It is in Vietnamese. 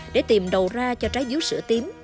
để tìm đầu ra cho trái dứt sữa tím